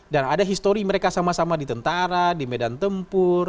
dan ada histori mereka sama sama di tentara di medan tempur